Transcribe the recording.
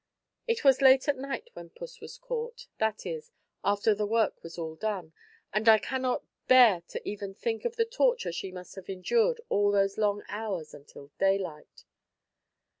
It was late at night when puss was caught, that is, after the work was all done, and I cannot bear to even think of the torture she must have endured all those long hours until daylight.